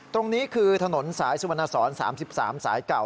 ตรงนี้คือถนนสายสุวรรณสอน๓๓สายเก่า